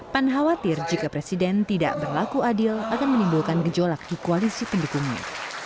pan khawatir jika presiden tidak berlaku adil akan menimbulkan gejolak di koalisi pendukungnya